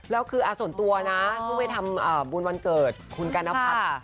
แล้วคือส่วนตัวนะที่ไม่ทำบุญวันเกิดคุณกานภัทร